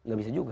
gak bisa juga